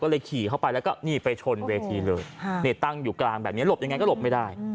ก็เลยขี่เข้าไปแล้วก็นี่ไปชนเวทีเลยนี่ตั้งอยู่กลางแบบนี้หลบยังไงก็หลบไม่ได้